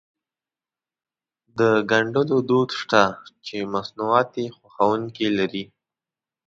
د ګنډلو دود شته چې مصنوعات يې خوښوونکي لري.